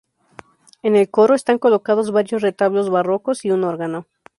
En el coro están colocados varios retablos barrocos y un órgano.